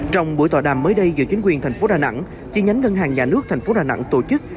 trong buổi tòa đàm mới đây giữa chính quyền thành phố đà nẵng chi nhánh ngân hàng nhà nước thành phố đà nẵng tổ chức